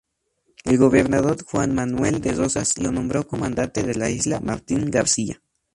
El gobernador Juan Manuel de Rosas lo nombró comandante de la isla Martín García.